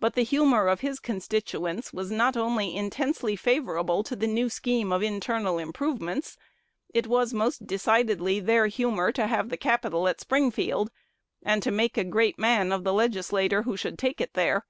But the "humor" of his constituents was not only intensely favorable to the new scheme of internal improvements: it was most decidedly their "humor" to have the capital at Springfield, and to make a great man of the legislator who should take it there.